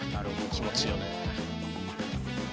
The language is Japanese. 気持ちいいよね。